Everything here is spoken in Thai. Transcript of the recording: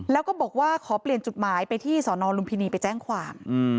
แล้วก็บอกว่าขอเปลี่ยนจุดหมายไปที่สนลุมพินีไปแจ้งความ